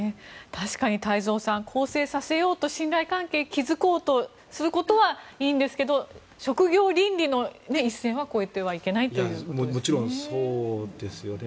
確かに太蔵さん更生させようと信頼関係を築こうとすることはいいんですけど職業倫理の一線は越えてはいけないということですよね。